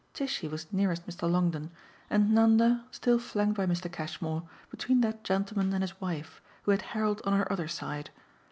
Tishy was nearest Mr. Longdon, and Nanda, still flanked by Mr. Cashmore, between that gentleman and his wife, who had Harold on her other side.